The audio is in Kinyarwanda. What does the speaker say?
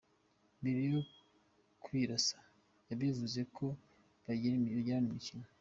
Mbere yo kwirasa yabivuze ho babigira imikino